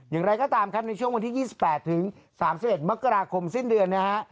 อย่างไรก็ตามครับในช่วงวันที่ยี่สิบแปดถึงสามสักเศษมกราคมสิ้นเดือนนะฮะ